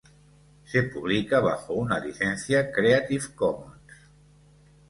Se publica bajo una licencia Creative Commons.